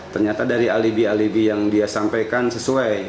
ternyata dari alibi alibi yang dia sampaikan sesuai